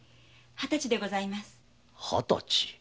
二十歳。